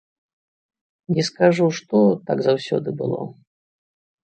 Не скажу што, так заўсёды было.